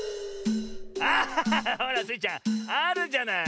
あハハハほらスイちゃんあるじゃない。